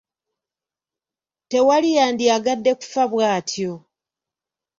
Tewali yandyagadde kufa bw’atyo.